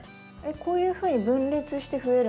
こういうふうに分裂して増える？